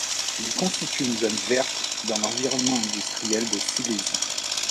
Il constitue une zone verte dans l’environnement industriel de Silésie.